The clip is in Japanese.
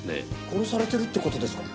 殺されてるって事ですか？